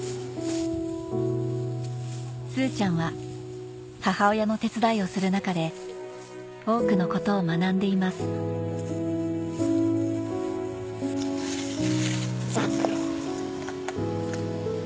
すちゃんは母親の手伝いをする中で多くのことを学んでいますザクロ。